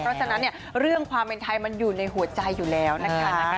เพราะฉะนั้นเนี่ยเรื่องความเป็นไทยมันอยู่ในหัวใจอยู่แล้วนะคะ